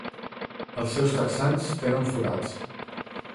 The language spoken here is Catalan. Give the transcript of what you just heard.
Els seus texans tenen forats.